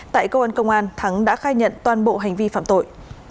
tại công an công an thắng đã khai nhận toàn bộ hành vi phạm tội